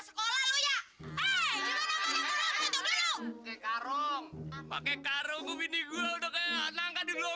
sampai jumpa di video selanjutnya